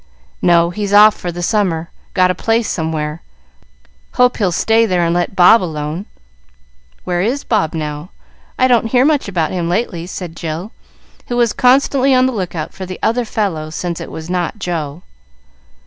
"No, he's off for the summer. Got a place somewhere. Hope he'll stay there and let Bob alone." "Where is Bob now? I don't hear much about him lately," said Jill, who was constantly on the lookout for "the other fellow," since it was not Joe.